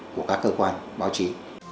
của các cơ quan báo chí